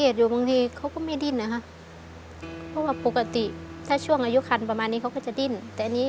จะดิ้นแต่อันนี้เขาไม่ดิ้นอะค่ะ